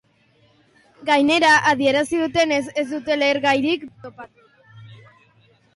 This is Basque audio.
Gainera, adierazi dutenez, ez dute lehergairik topatu.